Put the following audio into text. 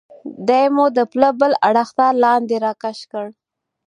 دی مو د پله بل اړخ ته لاندې را کش کړ.